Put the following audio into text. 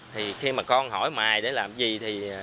thì khi mà con hỏi mài để làm gì thì